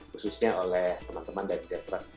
khususnya oleh teman teman dan jenderal jenis